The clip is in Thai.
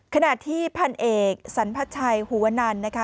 ขณะที่พันธุ์เอกสันพัชชัยหัวนันนะคะ